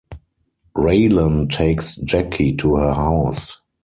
Raylan takes Jackie to her house.